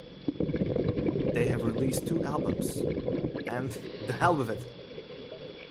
They have released two albums, ...and the hell with it!